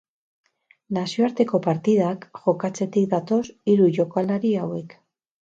Nazioarteko partidak jokatzetik datoz hiru jokalari hauek.